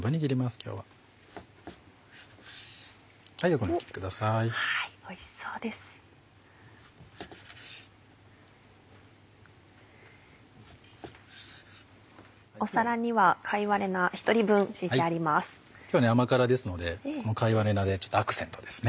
今日は甘辛ですので貝割れ菜でアクセントですね。